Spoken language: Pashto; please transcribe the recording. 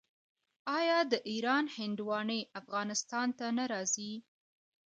آیا د ایران هندواڼې افغانستان ته نه راځي؟